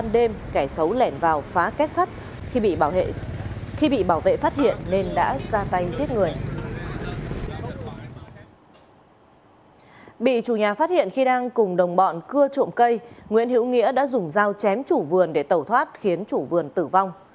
đã hiện khi đang cùng đồng bọn cưa trộm cây nguyễn hữu nghĩa đã dùng dao chém chủ vườn để tẩu thoát khiến chủ vườn tử vong